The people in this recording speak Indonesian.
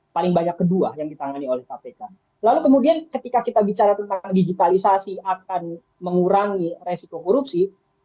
paling banyak kedua yang ditangani oleh kpk lalu kemudian ketika kita bicara tentang digitalisasi akan mengurangi resiko korupsi